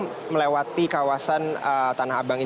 dan melewati kawasan tanah abang